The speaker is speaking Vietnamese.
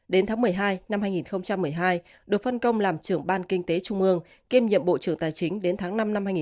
đến tháng một mươi hai năm hai nghìn một mươi hai được phân công làm trưởng ban kinh tế trung ương kiêm nhiệm bộ trưởng tài chính đến tháng năm năm hai nghìn một mươi tám